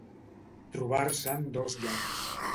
Trobar-se en dos llocs.